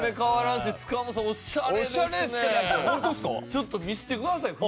ちょっと見せてくださいよ。